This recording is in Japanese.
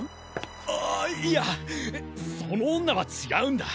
あいやその女は違うんだ。